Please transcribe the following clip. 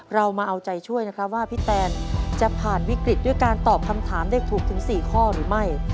เรามาเอาใจช่วยนะครับว่าพี่แตนจะผ่านวิกฤตด้วยการตอบคำถามได้ถูกถึง๔ข้อหรือไม่